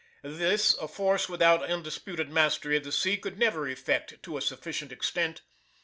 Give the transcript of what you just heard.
This a force without undisputed mastery of the sea could never effect to a sufficient extent.